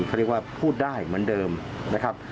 เขาเรียกว่าพูดได้เหมือนเดิมนะครับ